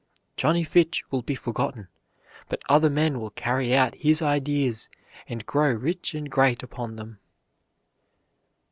Johnny Fitch will be forgotten, but other men will carry out his ideas and grow rich and great upon them."